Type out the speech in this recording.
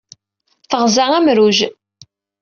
Teɣza amruj.